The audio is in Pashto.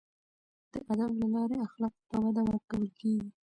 د ادب له لارې اخلاقو ته وده ورکول کیږي.